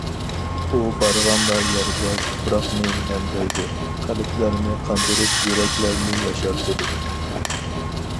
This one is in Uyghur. ئۇ بارغانلا يەردە تۇپراقنى نەمدەيدۇ، قەلبلەرنى قاندۇرۇپ، يۈرەكلەرنى ياشارتىدۇ.